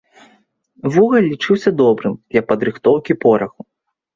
Вугаль лічыўся добрым для падрыхтоўкі пораху.